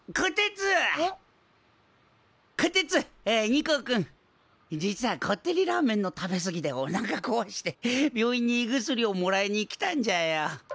ニコくん実はこってりラーメンの食べ過ぎでおなかこわして病院に胃薬をもらいに来たんじゃよ。